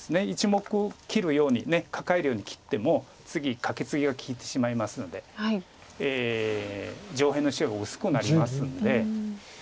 １目切るようにカカえるように切っても次カケツギが利いてしまいますので上辺の白薄くなりますので。